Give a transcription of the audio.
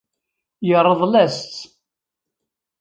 Yeṛḍel-as-tt.